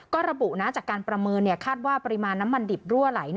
ก็ระบุนะจากการประเมินคาดว่าปริมาณน้ำมันดิบรั่วไหล